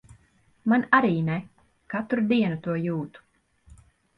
Man arī ne. Katru dienu to jūtu.